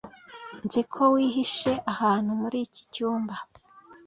nzi ko wihishe ahantu muri iki cyumba